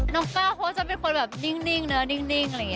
น้องเก้าเขาจะเป็นคนแบบนิ่งนะนิ่งอย่างนี้